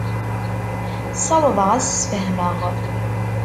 Ssawḍeɣ ad as-sfehmeɣ.